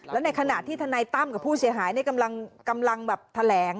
แล้วในขณะที่ทนายตั้มกับผู้เสียหายกำลังแถลง